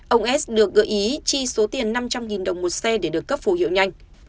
ông s được gợi ý chi số tiền năm trăm linh đồng một xe để được cấp phù hiệu nhanh